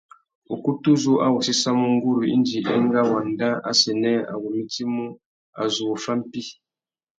Ukutu uzú a wô séssamú nguru indi enga wandá assênē a wô mitimú a zu wô fá mpí.